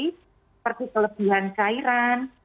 seperti kelebihan cairan